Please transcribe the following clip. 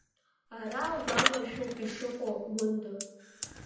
Ара уамашәоуп ишыҟоу, Гәында.